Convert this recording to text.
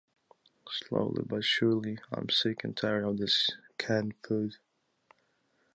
Slowly but surely, I’m sick and tired of this canned food!